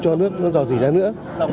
cho nước nó dò dỉ ra nữa